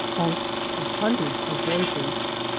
honk!" of hundreds of voices.